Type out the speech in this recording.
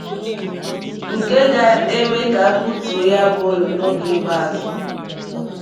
nke ga-eme ka a kụtuo ya bụ ụlọ n'oge ikpeazụ